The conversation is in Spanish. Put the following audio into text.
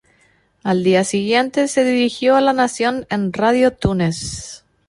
Al día siguiente, se dirigió a la nación en "Radio Túnez".